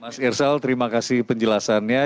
mas irsal terima kasih penjelasannya